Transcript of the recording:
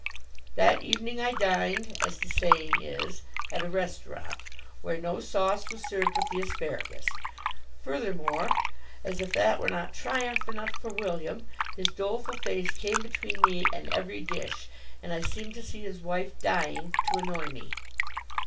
That evening I dined (as the saying is) at a restaurant, where no sauce was served with the asparagus. Furthermore, as if that were not triumph enough for William, his doleful face came between me and every dish, and I seemed to see his wife dying to annoy me.